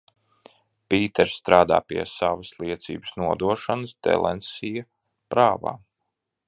Pīters strādā pie savas liecības nodošanas Delensija prāvā?